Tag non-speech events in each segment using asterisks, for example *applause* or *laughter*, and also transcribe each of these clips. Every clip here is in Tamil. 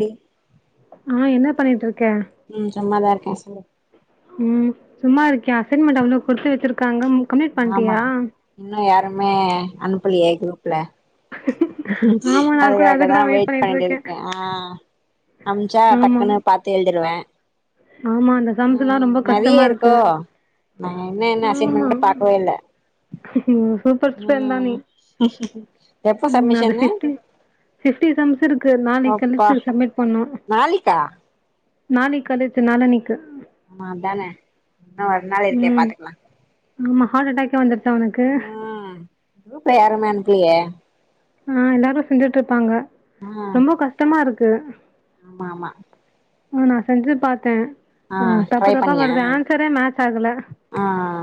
டி ஆஹ் என்ன பண்ணிட்டு இருக்கேன் பேசால உம் சும்மா இருக்கேன் அசைன்மென்ட் அவ்வளோ கொடுத்து வச்சிருக்காங்க கம்ப்ளீட் ஆமா பண்ட்டியா இன்னும் யாருமே அனு அப்டிலேயே குரூப்ல ஆமா நான் கூட அதுக்காக அதுக்குதா தான் வெயிட் பண்ணிட்டு இருக்கே இருக்கேன் ஆஹ் அம்ச்சா ஆமா டக்குன்னு பாத்து எழுதிருவேன் ஆமா அந்த சம்ஸ்ல்லா ஆஹ் ரொம்ப கஷ்டமா நிறைய இருக்கோ இருக்கு நாங்க என்ன என்ன ஆமா அசைமைன்ட் பாக்கவே இல்ல சூப்பர் ஸ்டூடெண்ட் தா நீ உஹம் ம் அந்தபிப்டி சம்ஸ்சு இருக்கு நாளைக்கு அப்பா அனுப்பிரு சமிட் பண்ணனும் நாளைக்கா நாளைக்கு கழிச்சு நாலனைக்கு ஆமா தானே இன்னும் ஒரு நாள் இருக்கே ம் பாத்துக்கலாம் ஆமா ஹார்ட் அட்டாக்கே வந்துருச்சா உனக்கு உஹம் குருப்பல யாருமே அனுப்பலையே ஆஹ் எல்லாரும் செஞ்சுட்டு இருப்பாங்க ஆ ரொம்ப கஷ்டமா இருக்கு இது ஆமா ஆமா ஆஹ நான் செஞ்சது பாத்தேன் ஆ தப்பு ட்ரை தப்பா பண்ணியா வருது ஆன்சரே மேஜ் ஆகல ஆ ஆ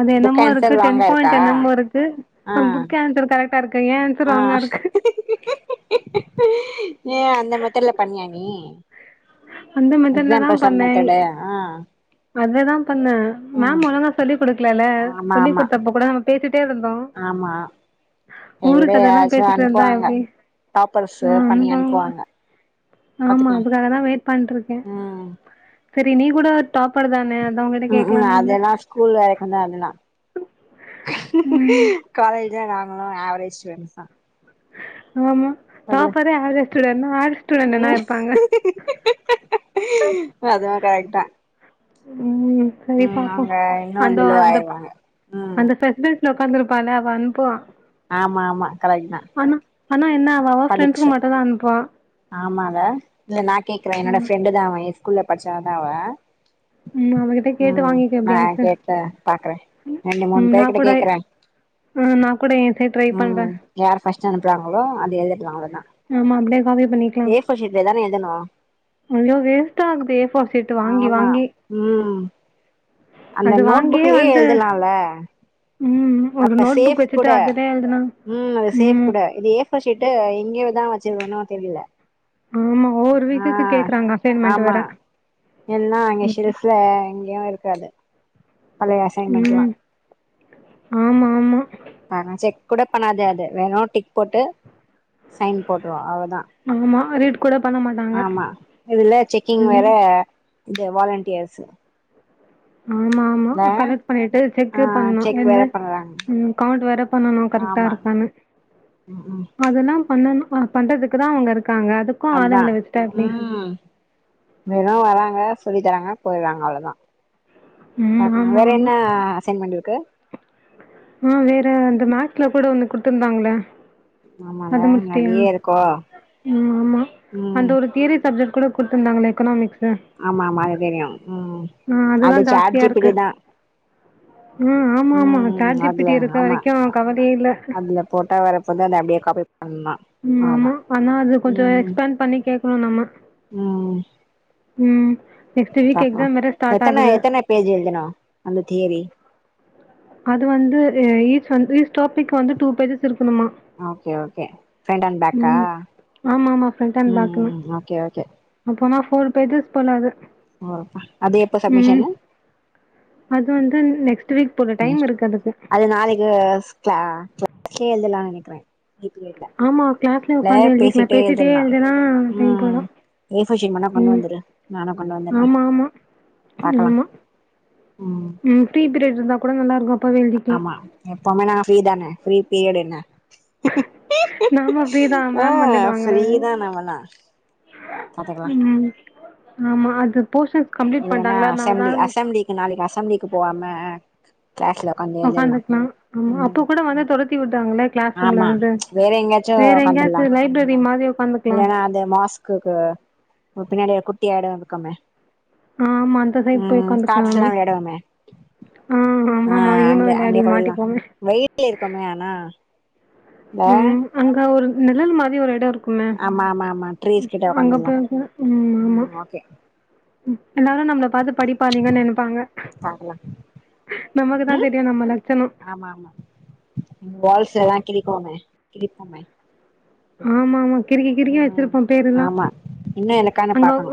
அது புக் என்னமோ இருக்கு ஆன்சர் லாங்கா டென் இருக்கா பயின் என்னமே இருக்கும் அப்பரோம் புக் ஆன்சர் கரேக்ட் ஆஹ் ஏ அந்த மத்தடுல பண்ணிய நீ அந்த எக்ஸாம்பிள் மேதடுலதான் சம் பண்ணேன் மெத்தடு ஆ அதுலதான் பண்ணேன் ம் மேம் ஒழுங்கா சொல்லிக் குடுக்கலல்ல ஆமா ஆமா சொல்லி்டுத்தப்ப கூட நம்ம பேசிட்டு பேசிட்டே இருந்தோம் ஆமா இத விட ஊருக்கதையல்லாம் யாராச்சு பேசிட்டே இருந்த அனுப்புவாங்க எப்டி டாப்பர்ஸு பண்ணி அனுப்புவாங்க ஆமா பாத்துக்கலா அதுக்காகான் ரின் இருக்கேன் ம் சரி நீ கூட டாப்பர் தானே அ உம் உ அதெல்லாம் ஸ்கூல்வறக்கு தான் அதெல்லாம் ம் காலேஜ்ல ஆவரேஜ் ஸ்டுடென்ஸ் தான் ஆமா டாப்பரே ஆவரேஜ் ஸ்டுடென் தான் ஆவரேஜ் ஸ்டுடென் என்னவ ம் இருப்பாங்க அதுவு கரெக்ட் தா உம் உம் சரி ம் பாப்போம் அவங்க இன்னு அந்த பிலோ அந்த ஆயிருவாங்க ம் அந்த கில உட்காந்தந்து ரூபான் அப்ப அனுப்புவான் ஆமா ஆமா கரேக் தான் ஆனா என்ன அவன் உன்ஃப்ரெண்ட்கு மட்டும் தான் அனுப்புவான் ஆமால்ல இல்ல நா கேக்குறே என்னோட ஃபெரெண்டு தான் அவன் ஸ்கூல்ல படிச்சால அவன் ம் அவகிட்ட கேட்டு உம் வாங்கிக்க நான் எப்டியாச்சு கேட்ட பாக்குறேன் ரெண்டு மூணு ம் நா பேரு கிட்ட கூட கேக்குறேன் ஆ நா கூட எ சைட் ட்ரை பண்றே உம் யார் ஃபர்ஸ்ட் அனுப்புறாங்களோ அது எ யாரு ஆமா அப்படியே அதே பண்ணிக்கலாம் ஷீட்ல தான எழுதணு ஐயோ வேஸ்ட் ஆகுது ஏபோர் சீட் வாங்கி ஆமா வாங்கி ம் அந்த அது வாங்கியே நோட்புக்லயே வந்து எழுதலால ம் ஒரு அந்த நோட் புக் சேப் வச்சுட்டு கூட அதுலயே எழுதுனா உம் அந்த சேப் ம் கூட இது ஏபோர் சீட் இங்கேயேதான் வச்சிருகனும் தெரியல ஆமா ஒவ்வொரு வீக்குக்கு ஆஹ் கேக்குறாங்க அசைன்மெண்ட் ஆமா வேற என்ன அங்க செல்ஃபுல எங்கேயோயிருக்காது பலைய அசைன்மெண்ட்லா ம் ஆமா ஆமா ஆஹ் செக் கூட பண்ணாது அது வெறோ டிக் போட்டு சைன் போட்டுறோ அவ தா ஆமா ரீட் கூட பண்ண மாட்டாங்க ஆமா இதுல ம் செக்கிங்வேற இங்க வாலண்டியர்ஸ் ஆமாம்மா கலெக்ட் பண்ணிட்டு செக்கே ஆ பண்ணோ செக் என்ன வேற பண்றாங்க கவுண்ட் வேற பண்ணணோ ஆமா கரெக்டாயிருக்கான்னு ம் ம் அதுல்லா பண்ணணோ அது பண்றதுக்குதா அவங்க இருக் அதான் உம் வெறோ வராங்க சொல்லி தராங்க போயிடுறாங்க அவ்வளவுதான் ம் பாக்கலா வேற என்ன அசைன்மென்ட் இரு க்கு ஆஹ் வேற அந்த மேக்ஸ்ல கூட ஒன்னு குடுத்துயிருந்தாங்கள ஆமால அத முடிச்டியா நெறைய இருக்கோ ஆமா அந்த ம் ஒரு தியரி சப்ஜெக்ட் கூட குடுத்துயிருந்தாங்களே எக்கனாமிக்ஸ் ஆமா ஆமா அது தெரியும் உம் ஆ அதுதா அது ஜாஸ்தியா இருக்கு சாட்ஜீப்பீட்டிதா ம் ஆமா ஆமா உம் சாட் உம் ஜி பி டி அதுல இருக்க ஆமா வரைக்கு கவலையே இல்ல அதுல போட்டா வரப்போது அத அப்டியே காபி பண்ணலா ம் ஆமா ஆனா அது கொஞ்சோ எக்ஸ்பேண்ட் பண்ணி கேக்கணோம் நம்ம ம் நெக்ஸ்ட் ஆ வீக் ஹா எக்ஸாம் வேற ஸ்டார்ட் எத்தன ஆகுது எத்தன பேஜ் எழுதுன அந்த தியரி அது வந்து ஈச் வந்து ஈச் டாபிக் வந்து டூ பேஜஸ் இருக் ஓகே ஓகே ஃபிரண்ட் அண்ட் பேக்கா ம் ஆமா ஆமா ஃப்ரண்ட் அண்ட் பேக்குனு உம் ஓகே ஓகே அப்போனா ஃபோர் பேஜஸ் பண்ணோ அது ஆஹ்பா அது எப்ப ம் சப்மிஷன்னு ஸ்டீட் அது நாளிக்கு கிளாஸ்லயே எழுதலா நெனைக் குறே நீ பிரியா இல்ல ஆமா கிளாஸ்லயே ஒக்காந்து எழுதிக்கலா பேசிட்டே எழுதுனா டைம் ம் போயிடோ ஏ ஃபோர் ஷீட் வேணா கொண்டு ம் வந்துரு நானு கொண்டு வந்துர்றே ஆமா ஆமா பாக்கலா ஆமாம்மா ம் ஃப்ரீ பீரியட் இருந்தா கூட நல்லாயிருக்கோ ஆமா எப்பவுமே நா ஃபிரி தான ஃபிரீ பீரியட் என்ன நாம ஃபிரீதான் ஆ மேம் வந்துடுவாங்கள ஃப்ரீ தா நம்மல்லா பாத்துக்கலா உம் ஆமா அது போர்ஷன்ஸ் கம்ப்ளீட் பண்ணிட்டாங்களா அதனாலதான் தண்ணிக்கு போவாம கிளாஸ்ல உக்காந்து ஒக்காந்து எழுதலா இருக்குணு அம்ம அப்ப ம் கூட வந்து தொடச் ஆமா வேற எங்கயாச்சு வேற ஒக்காந்துரலாம் எங்கேயாச்சும் லைப்ரரி மாதிரி உக்காந்துக்கலாம். இல்லன்னா அது மாஸ்குக்கு பின்னாடி குட் எடம் இருக்குமே ஆமா. அந்த சைடு போய் ம் உக்காந்துக்கலாம் நம்ம. காட்ச எடமே ஆ ஆ ஆமாமா. யூனோ அங்கே விளையாடி அங்கேய போயிரலாம் மாட்டிப்போமே! வெயில இருக்குமே ஆனா இல்ல ம் அங்க ஒரு நிழல் மாரி ஒரு எடம் இருக் க்கு ஆமா ஆமா ஆமா ட்ரீஸ் கிட்ட அங்க உக்காந்துர்லா போய ம் ஆமா எல்லாரும் நம்மள பாத்து படிப்பானீங்கு நினைப்பாங்க பாக்கலா நமக்குதான் ம் தெரியும் நம்ம லட்சணம் ஆமா ஆமா *inaudible* ஆமா ஆமாக் கிருக்கி கிரிக்கி ம் வச்சிருப்போம் பேர் எல்லாம் ஆமா இன்னு எனக்கானு அங்கொ பாக்கணு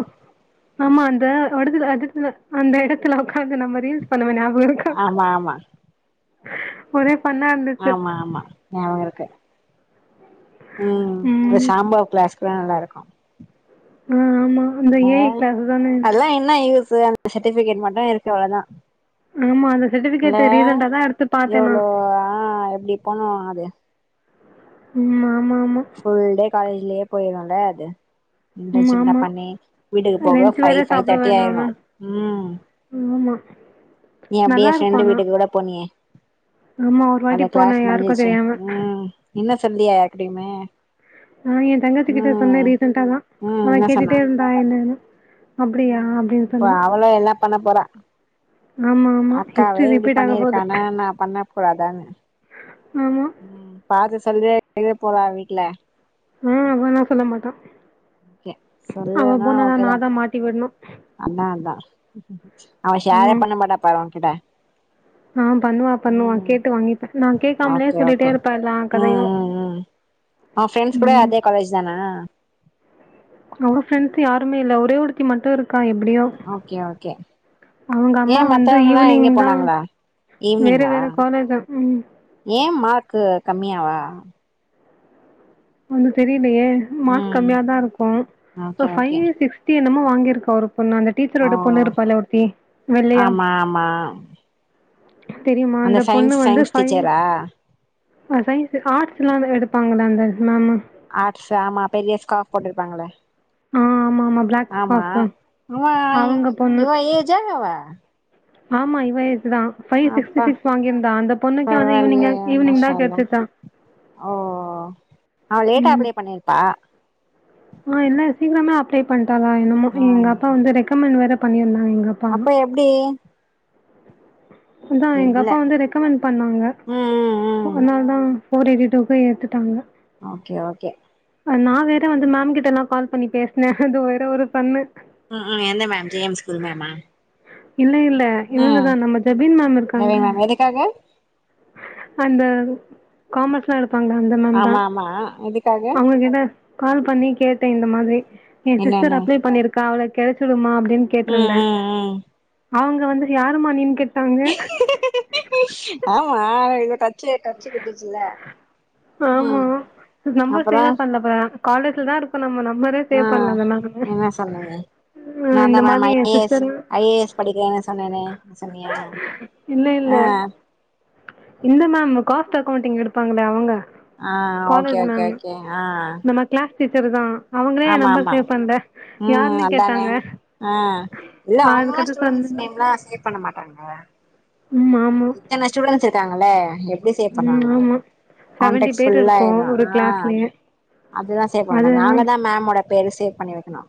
ஆமா அந்த வடுதுல்ல அது இல்ல அந்த இடத்துல ஒக்காந் அது நம்ம ரீல்ஸ் பண்ணுவ ஞாபகம் இருக்க ஆமா ஆமா ஒரேப் ஆமா ஆமா ஞாபக இருக்கு ம் அது சாம்போ கிளாஸ் எல்லா நல்ல இருக்கோம் ஆ ஆமா அந்த ஏஐ கிளாஸ் தானே அது சர்டிபிகட்ட்டு மட்டும் இருக்கு அவ்வளவுதான் ஆமா அந்த சர்ட்டிபிகேட் ரீசன்ட தான் எடுத்து பாத்தேன் நான் பண்ணுவோ அது உம்மா ஃபுல் டேக் காலேஜிலேயே போயிரும்ல அது இந்த ம் சின்னா ஆமா பண்ணி வீட்டுக்கு போக லன்ச் வேற ஃபைவ் ஃபைவ் சாப்பிடுவே தேர்ட்டி நானு ஆயிடும் ம் ஆமா நீ நல்லா அப்டியே இருக்கு ஃப்ரெண்டு ஆனா வீட்டுக்கு கூட போனியே ஆமா ஒரு அந்த வாட்டி போனே யாருக்கு தெரியாம சொல்லலையா யார்கிட்டயுமே ஆ என் தங்கச்ச கிட்ட ம் சொன்னேன் ரீசன்டா தான் ம் அவன் என்ன சொன்னா கேட்டுட்டே இருந்தா என்னு அப்டியா ம் அப்டின்னு இப்ப சொன்னா அவளு எல்லா *unintelligible* ஆமா ஆமா அக்காவே ஹிஸ்ட்ரி இப்டி ரிபீட்டு ஆக போது பண்ணிருக்கானா நா பண்ண கூடாதான்னு பாத்து சொல்தே எவே போறா வீட்டுல ஆஹ் அவன்னா சொல்ல மாட்டான் ஓகே அவன் போனாதான் நாதான் மாட்டி விடுணு அதான் அதான் அவன் ஷேரே பண்ண மாட்டா பாரு உன் கிட்ட ஆஹ் பண்ணுவா பண்ணுவா கேட்டு வாங்கிப்பேன் நான் கேட்காமலே ஓகே சொல்லிட்டே ஓகே இருப்பேன்ல்லாம் ம் கதையும் ம் ம் அவ ஃப்ரெண்ட்ஸ் உம் கூட உம்உம் அதே காலேஜ் தானா அவள ஃப்ரெண்ட்ஸ் யாருமேல்ல ஒரே ஒருத்தி மட்டும் இருக் அக்கா எப்படியோ ஓகே ஓகே அவங்க ஏ அம்மா வந்து மத்தவங்கல்லா ஈவினிங் எங்க தான் போனாங்களா வேற ஈவ்னிங்கா வேற காலேஜ உம் க்கு கம்மியாவா ஒன்னுதெரிது அப்டியே மார்க் ம் கம்மியா தான் இருக்கும் ஓகே இப்ப ஃபை ஓகே சிக்ஸ்டி என்னமோ வாங்கிருக்க அவரு பொண்ணு அந்த ஓ டீச்சரோட பொண்ணு இருப்பால ஒருத்தி வெள்ளையா ஆமா ஆமா தெரியுமா அந்த இந்த பொண்ணு சயின்ஸ் வந்து சயின்ஸ் பை டீச்சரா ம் சயின்ஸ் ஆர்ட்ஸ் எல்லாமே எடுப்பாங்கள அந்த மாம்மா ஆக்ஸ் ஆமா பெரிய ஸ்காஃப் போட்டுருப்பாங்களே ஆ ஆமாமா. பிளாக் ஆமா ஸ்கார்ஃபு. ஆமா அவங்க பொண்ணு. இவ ஏஜா அவ ஆமா இவ தான் ஃபைவ் சிக்ஸிடி அப்பா சிக்ஸ் வாங்கியிருந் தா அந்த பொண்ணுக்கு வந்து ஈவினிங் கே பரவாயில்லையே ஈவினிங் மாஷா தான் அல்லா கெடச்சிச்சா ஓ அவ லேட்டா அப்ளே பண்ணிருப்பா இன்னு இல்ல சீக்கிரமே அப்ளை பண் என்னமோ ஆ எங்க அப்பா வந்து ரெக்கமெண்ட் வேரப் பணியன்ன அப்ப எப்டி அதான் எங்க இல்ல அப்பா வந்து ரெக்கமெண்ட் பண்ணாங்க ம் ம் ம் ஒன்னால் தா ஃபோர் எய்ட்டி டுஃப் ஃபை எடுத்துட்டாங்க ஓகே ஓகே நான் வேற வந்து மேம் கிட்ட யல்லாம் கால் பண்ணி பேசினே அது வேற ஒரு ஃபண்ணு ம் ம் எந்த மேம் ஜே எம் ஸ்கூல் மேமா இல்ல இல்ல ம் இவுங்கதான் நம்ம ஜபீன் மேம் ரவி இருக்காங்கள மேம் எதுக்காக அந்த காமர்ஸ்லாம் இருக் ப்பங்க தாம் தாமந்த ஆமா ஆமா எதுக்காக அவங்ககிட்ட கால் பண்ணி கேட இந்த மாதிரி என் சிஸ்டர் என்னன்னு அப்ளை பண்ணியிருக்கா அவள கெடச்சுடுமா அப் ம் கேட்டிருந்தேன் ம் ம் அவங்க வந்து யாருமா நின் கே ஆமா கச்சுட்டுச்சல ஆமா உஹம் அப்புறம் காலேஜல தான் இருக்கும் நம்ம ந ஆஹ் என்ன சொன்னன நான் இந்த தான் மேம் மாதிரி நான்தான் என் ஐஏஸ் சிஸ்டர் -ஐஏஎஸ் படிக்கிறேன் என்ன சொன்னேன்னு சொன்னியா இல்ல இல்ல ஆஹ் இந்த மேம் காஸ்ட் அக்கௌண்டிங் எடுப்பாங்கள அவங்க ஆஹ் okay college -okay ma'am -okay ஆஹ் நம்ம கிளாஸ் டீச்சர் தான் ஆமா- ஆமா உம் அதானே கேட்டாங்க ஆஹ் இல்ல அவங்காம் அதுக்கடுத்து சொன்ன ஸம்ாம் சேவ் பண்ண மாட்டாங்க ம் இன ஸ்டூடெண்டஸ் இருக்காங்கள உம் ஆமா செவன்டி பேரு இருக்கோ ஒரு கிளாஸ்லயே அதுதான் அது செய்யபோரோம் நாங்க தான் மேமோட பேரு சேவ் பண்ணி வைக்கணும்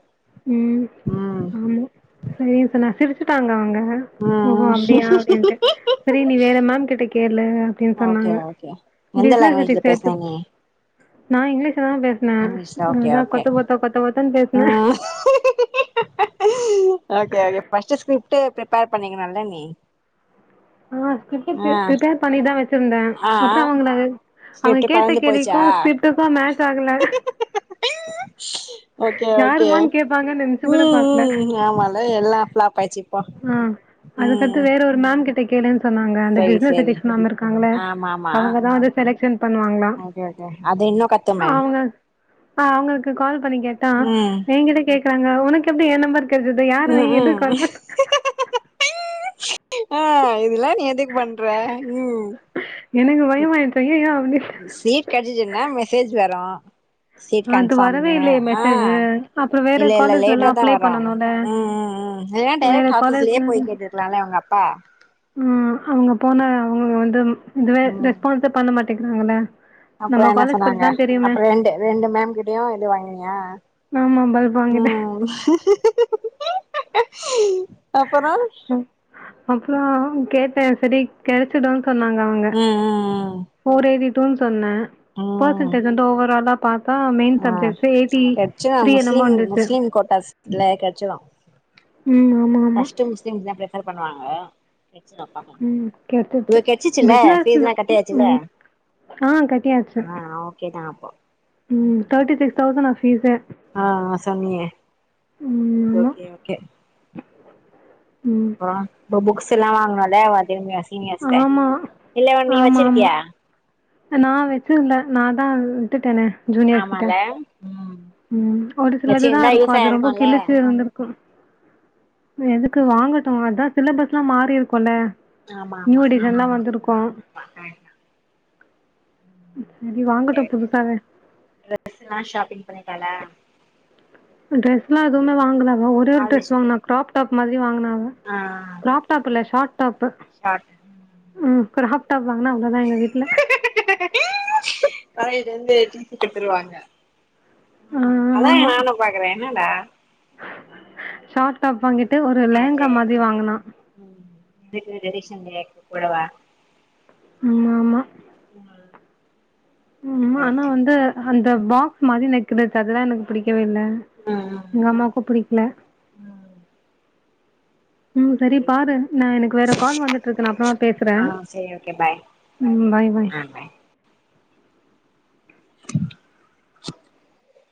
உம் ஆமா சரி -சொசிர ட்டாங்க அவங்க ஓ ம் அப்படியா அப்ப ச நீ வேறம் கிட்ட கே அப்படனு ஓகே சொன்னாங்க ஓகே எந்த லாங்குவேஜ்ல பேசுன நீ *unintelligible* நான் இங்கிலீஷ் தான் பேசுினேன் இங்கிலீஷ்ல ஓகே அததான் ஓகே கொத்த போத்த -கொத்த போத்தன்னு பேசுனேன் ம் okay okay first script prepare பண்ணிக்கலால நீ ஆஹ ஆ பிப்பேர் பண்ணிதான் வச்சன் இருந்தேன் ஆ அப்புறம் அவங்கள அவங்க ஸ்கிரிப்ட் கேட்ட பறந்து போயிச்சா கேள்க்கும் ஸ்கிரிப்ட்டுக்கும் மேட்ச ஆகல ஓகே -ஓகே யாரும்மான்னு கேட்பாங்கன்னு நினைச்சு கூட உம் பார்க்கல. உம் ஆமால எல்லாம் ஃப்ளாப் ஆயச்சுப்போ ஆ உம் அதுக்கடுத்து வேற ஒரு கிட்ட கேளு ன்னக்கா அந்த பிஸிஸ்னேஸ் ஆமா ஆமா அவங்க தா செலக்சன் பண்ணுவாங்கள ஓகே ஓகே அது இன்னு கத்துமே அவங்க ஆஹ் அவங்களுக்கு கால் ப் பண்ணி கேட்டா ம் நீ் இத கேட்க்க ங்க உனக்கு எப்படி என் நம்பர் இருது யாரு எதுக்க கவ்த் ஆஹ் இதெல்லாம் எதுக் பண்ற உம் எனக்கு பயம்மா அய்யாயோ அப்படி சீட் கிடைச்சுச்ன்னா மெசேஜ் வரும் சீட் அது கன்ஃபாம் வரவே இல்லையே மெசேஜு ஆஹ் அப்புறோ வேற இல்ல இல்ல காலேஜ்லல்லா லேட்டா தான் அப்ளை வரும் பண்ணனுல்ல ஹம் உ உம் வேற லேட்டைரக்ட் ஆபீஸ்லயே காலேஜ்ல போய் கேட்டுருக்கலாம் இல உங்க அப்பா ம் அவங்க போன அவங்க வந்துரனும் இதுவே ரெஸ்பான்ஸ் பண்ண மாட்டே கோக்குதுங்களா அப்புறம் என்ன சொன்னாங்க அப்புறம் ரெண்டு ரெண்டு மேம்கிட்டயும் இது வாங்கினியா ஆம்மா பல்புவங்கிட்டோ உ ம் ஹ ஹ ஹி அப்பளம் கேட்டேன் சரி கிடைச்சுடும் த் சொன்னாங்க அவங்க ம் ம் ஊரேதி யோன் சொன்னா பர்சல் டோஜ்ல ஓவர ஆல்லா ஆஹ் கிடைச்சவான் த்ரீ என்னமோ முஸ்லிம் இருந்துச்சு முஸ்லிம் கோட்டாஸ்ல கிடைச்சுடும் ம் ஆமா ஆமா பஸ்ட் முஸ்லிம்தான் ப்ரட் சோர் பண்ணுவாங்க ம் கெடச்சிருச்சு உனக் கச்சுச்சுலா பிஸ்னஸ் பீஜ்ல்லாம் கட்டியச்சுல ம் ஆ கட்டியாச்சு ஆஹ் ஒகோ த அப்போ ம் முப்பத்து ஜந்து ஆயிர எப்போது நன் பீஸ்ஸொ ஆஹ் ஹ சென்னியே ம் ஆமா ஓகே ஓகே ம் ப்பா இப்ப புக்ஸ் எல்லாம் வாங்கின்னால வாதுங்காஸ் இனி அஜ்வே ஆமா இல்லலை உன் நீ வச்சிருக்கியா நான் வச்சுருந்தோன் நாதான் விட்டுட்டேனே ஆமால உம் உம் ஒரு சிலதுதான் இருக்கோ அது ரொம்ப இருக்குல்ல கிளிச்சு இருந்திருக்கும் எதுக்கு வாங்கட்டோ அதான் சிலபஸ் லா மாறி இருக்கோம்ல ஆமா ஆமா ஆமா ஆமா ஆமா தேலாம் ம் ஒகே ஷப்பிங் பண்ண டாடா ட்ரெஸ் லா எதுவுமே வாங்கலா ஒரே ஒரு ட்ரஸ் காலேஜ்க்கு வாங்கன கிரராப்டாப் எப்டி வாங்கினா கிராப்டாப்ல ஷார்ட் தப்பு ஸ்ஷாட் உம் கிராப் தப்பு வாங்கன்னா எங்க வீட்டுல காலேஜ்ல இருந்து டிசி கேடுத்துருவாங்க ஆ உஹம் அதா நானும் பாக்குறேன் என்னட ஷார்ட டாப் வாங்கிட்டு ஒரு ஓகே லேங்கா ஓகே மாதிரி வாங்கனா செந் குடவா ஆமா-ஆமா உமல் உம் ஆனா வந்து அந்த பாக்ஸ் மாதி நக்குல அதுதான் எனக்கு பிடிக்கோ வே இல ம் எங்க அம்மாக்கு ம் பிடிக்கல ம் ம் செரி பாரு நா எனக்கு வேற கால் வந்துட்டுருக்கு அப்புறமா பேசுறே ஆ சரி ஓகே பாய் ம் பாய் பாய்